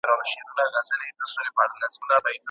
تړل د زده کوونکي له خوا کيږي.